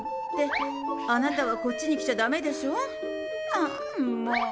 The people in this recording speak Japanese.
あなたはこっちに来ちゃだめでしょう。